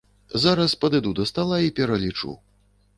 Зараз падыду да стала і пералічу.